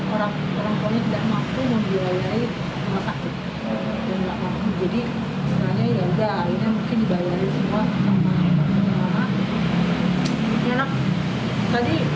orang orang perempuannya tidak mampu membiayai rumah sakit